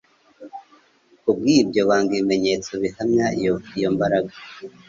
kubw'ibyo, banga ibimenyetso bihamya iyo mbaraga